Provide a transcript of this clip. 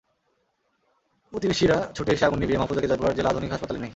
প্রতিবেশীরা ছুটে এসে আগুন নিভিয়ে মাহফুজাকে জয়পুরহাট জেলা আধুনিক হাসপাতালে নেয়।